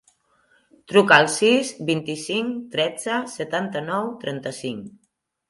Truca al sis, vint-i-cinc, tretze, setanta-nou, trenta-cinc.